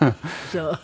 そう。